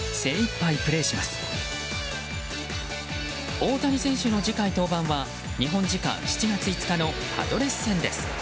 大谷選手の次回登板は日本時間７月５日のパドレス戦です。